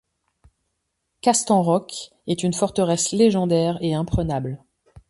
Kastennroc est une forteresse légendaire et imprenable.